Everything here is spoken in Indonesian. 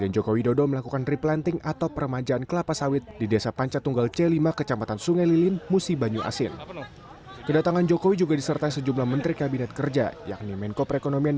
jokowi melakukan penanaman permajaan kelapa sawit di sungai lilin musi banyu asin sumatera selatan